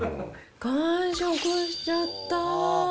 完食しちゃった。